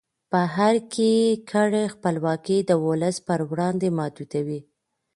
په ارګ کې کړۍ خپلواکي د ولس پر وړاندې محدودوي.